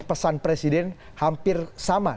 pesan presiden hampir sama